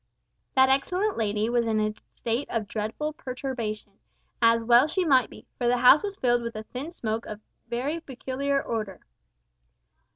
That excellent lady was in a state of dreadful perturbation, as well she might be, for the house was filled with a thin smoke of very peculiar odour.